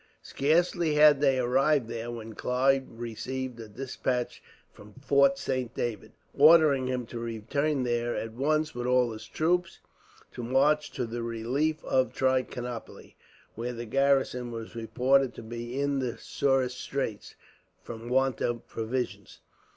Scarcely had they arrived there when Clive received a despatch from Fort Saint David; ordering him to return there at once, with all his troops; to march to the relief of Trichinopoli, where the garrison was reported to be in the sorest straits, from want of provisions.